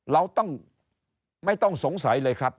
เราต้องไม่ต้องสงสัยเลยครับ